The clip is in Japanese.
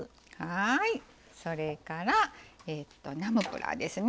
それからナムプラーですね。